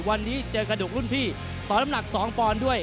วันนี้เจอกระดกรุ่นพี่ต่อน้ำหนัก๒ปอนด์ด้วย